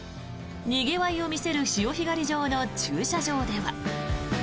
にぎわいを見せる潮干狩り場の駐車場では。